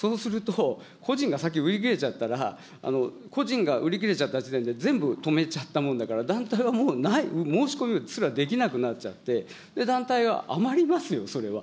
そうすると、個人が先、売り切れちゃったら、個人が売り切れちゃった時点で、全部止めちゃったもんだから、団体は申し込みすらできなくなっちゃって、団体は余りますよ、それは。